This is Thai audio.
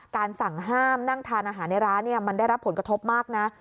สั่งห้ามนั่งทานอาหารในร้านมันได้รับผลกระทบมากนะ